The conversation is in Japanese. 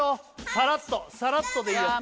さらっとさらっとでいいようわ